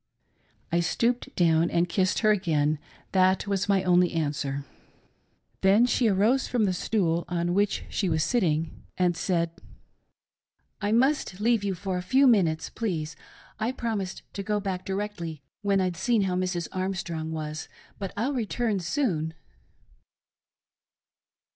I stooped down and kissed her again. That was my only answer. Then she arose from the stool on which she was sitting, 86 CURING THE CHOLERA. and said :" I must leave you for a' few minutes, please ; I promised to go back directly I'd seen how Mrs. Armstrong was ; but I'll return soon."